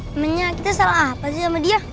temennya kita salah apa sih sama dia